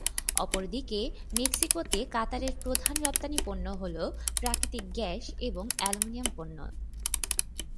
অপরদিকে মেক্সিকোতে কাতারের প্রধান রপ্তানি পণ্য হল, প্রাকৃতিক গ্যাস এবং অ্যালুমিনিয়াম পণ্য।